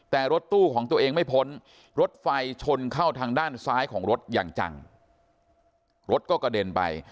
แต่รถตู้ของตัวเองไม่พ้นรถไฟชนเข้าทางด้านซ้ายของรถอย่างจังรถก็กระเด็นไป